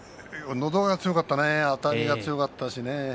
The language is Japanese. のど輪が強かったねあたりが強かったしね。